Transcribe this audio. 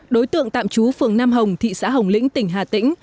đối tượng tạm trú phường nam hồng thị xã hồng lĩnh tỉnh hà tĩnh